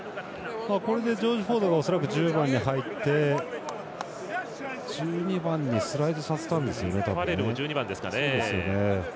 これでジョージ・フォードが恐らく１０番に入って１２番にスライドファレルを１２番ですかね。